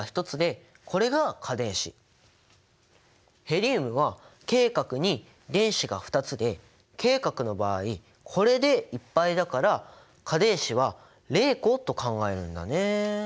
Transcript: ヘリウムはＫ殻に電子が２つでＫ殻の場合これでいっぱいだから価電子は０個と考えるんだね。